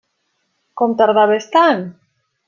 Com tardaves tant?